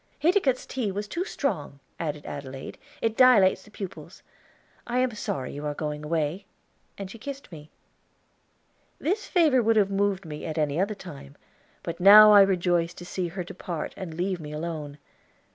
"Hiticutt's tea was too strong," added Adelaide; "it dilates the pupils. I am sorry you are going away," and she kissed me; this favor would have moved me at any other time, but now I rejoiced to see her depart and leave me alone.